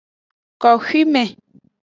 Koxwime.